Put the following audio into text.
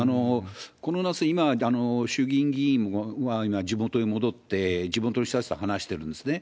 この夏、今、衆議院議員が地元に戻って、地元の人たちと話してるんですね。